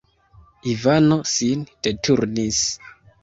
Ivano sin deturnis.